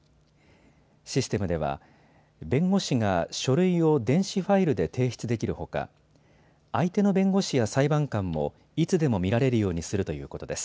システムでは弁護士が書類を電子ファイルで提出できるほか相手の弁護士や裁判官もいつでも見られるようにするということです。